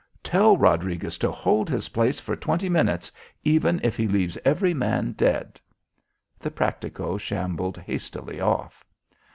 Tell Rodriguez to hold his place for twenty minutes, even if he leaves every man dead." The practico shambled hastily off.